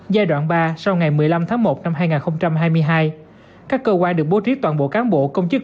giai đoạn ba sau ngày một mươi năm tháng một năm hai nghìn hai mươi hai các cơ quan được bố trí toàn bộ cán bộ công chức